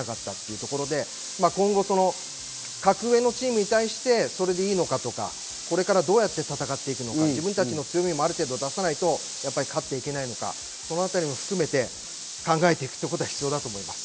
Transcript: なかなか崩せなかったところで今後、格上のチームに対してそれでいいのかとか、どうやって戦っていくのか自分たちの強みもある程度、出さないと勝っていけないのか、そのあたりも含めて、考えていくことが必要だと思います。